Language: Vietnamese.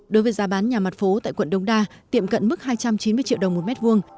đối với giá bán nhà mặt phố tại quận đông đa tiệm cận mức hai trăm chín mươi triệu đồng một mét vuông